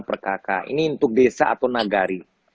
per kakak ini untuk desa atau nagari